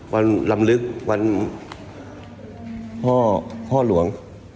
ลำลึกวันพ่อพ่อหลวง